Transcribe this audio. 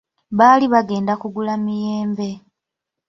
Baali bagenda kugula miyembe.